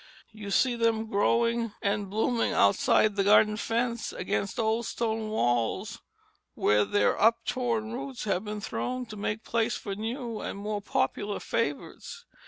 You see them growing and blooming outside the garden fence, against old stone walls, where their up torn roots have been thrown to make places for new and more popular favorites.